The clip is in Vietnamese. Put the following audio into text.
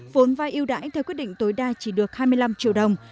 vốn vay yêu đải theo quyết định tối đa chỉ được hai mươi năm triệu đồng